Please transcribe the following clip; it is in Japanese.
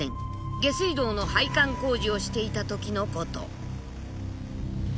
下水道の配管工事をしていた時のこと。